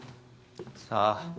さあ？